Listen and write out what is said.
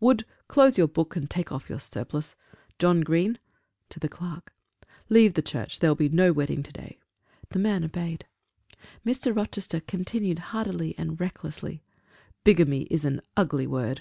Wood, close your book and take off your surplice; John Green" (to the clerk) "leave the church: there will be no wedding to day." The man obeyed. Mr. Rochester continued hardily and recklessly: "Bigamy is an ugly word!